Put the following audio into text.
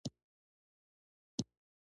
ترموز د کار په مېدان کې لازم دی.